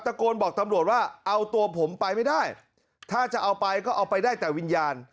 โกนบอกตำรวจว่าเอาตัวผมไปไม่ได้ถ้าจะเอาไปก็เอาไปได้แต่วิญญาณ